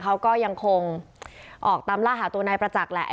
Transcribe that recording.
เขาก็ยังคงออกตามล่าหาตัวนายประจักษ์แหละ